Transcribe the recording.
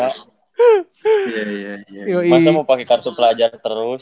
masa mau pakai kartu pelajar terus